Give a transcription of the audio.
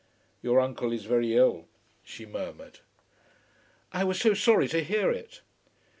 "Your uncle is very ill," she murmured. "I was so sorry to hear it."